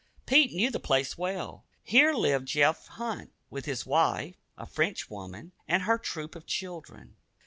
Pete knew the place well. Here lived Jeff Hunt with his wife, a French woman, and their troop of children.